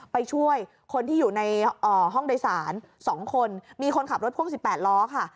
ไปช่วยคนที่อยู่ในห้องโดยสาร๒คนมีคนขับรถพ่วง๑๘ล้อค่ะ